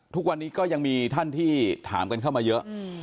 ทุกวันนี้ก็ยังมีท่านที่ถามกันเข้ามาเยอะ